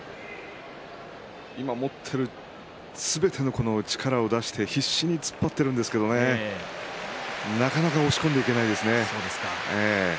今持っているすべての力を出して必死に突っ張っているんですけどねなかなか押し込んでいけないですね。